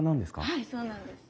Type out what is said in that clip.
はいそうなんです。